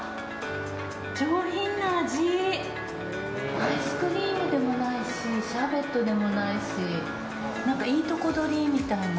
アイスクリームでもないしシャーベットでもないしいいとこどりみたいな。